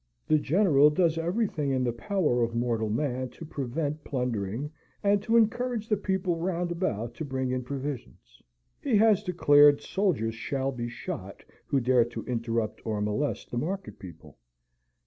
The General does everything in the power of mortal man to prevent plundering, and to encourage the people round about to bring in provisions. He has declared soldiers shall be shot who dare to interrupt or molest the market people.